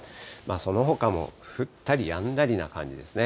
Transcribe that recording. そのほかも降ったりやんだりな感じですね。